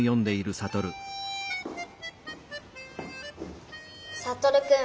サトルくん。